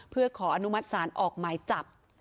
เพื่อขออนุมัติศาลออกหมายจับ